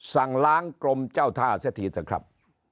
สั่งล้างกรมเจ้าท่าเสียทีเถอะครับ